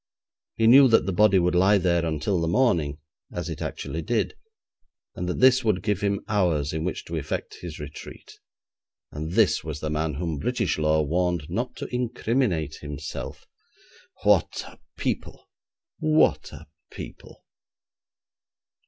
He knew that the body would lie there until the morning, as it actually did, and that this would give him hours in which to effect his retreat. And this was the man whom British law warned not to incriminate himself! What a people! What a people!